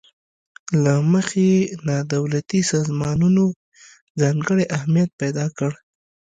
له مخې یې نا دولتي سازمانونو ځانګړی اهمیت پیداکړی.